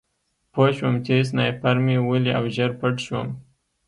پوه شوم چې سنایپر مې ولي او ژر پټ شوم